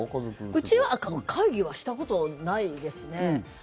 うちは会議はしたことないですね。